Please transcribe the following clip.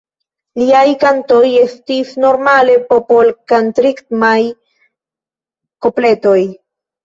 Liaj kantoj estis normale popolkantritmaj kopletoj.